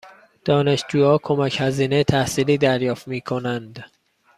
دانشجوها کمک هزینه تحصیلی دریافت می کنند؟